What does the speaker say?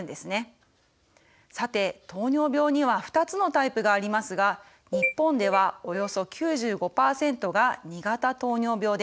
さて糖尿病には２つのタイプがありますが日本ではおよそ９５％が２型糖尿病です。